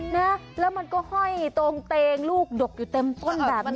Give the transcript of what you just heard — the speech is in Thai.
นะแล้วมันก็ห้อยตรงเตงลูกดกอยู่เต็มต้นแบบนี้